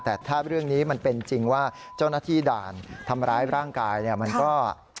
แต่ถ้าเรื่องนี้มันเป็นจริงว่าเจ้าหน้าที่ด่านทำร้ายร่างกายเนี่ยมันก็